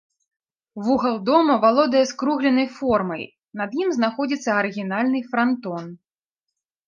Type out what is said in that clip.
Вугал дома валодае скругленай формай, над ім знаходзіцца арыгінальны франтон.